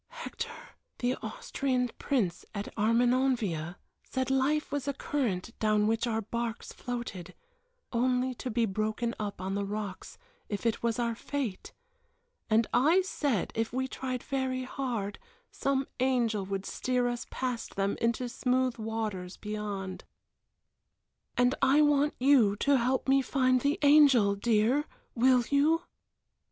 "Hector the Austrian Prince at Armenonville said life was a current down which our barks floated, only to be broken up on the rocks if it was our fate; and I said if we tried very hard some angel would steer us past them into smooth waters beyond; and I want you to help me to find the angel, dear will you?"